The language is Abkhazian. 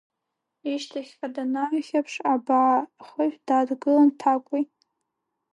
Ишьҭахьҟа данаахьаԥш, абаа ахышә дадгылан Ҭакәи.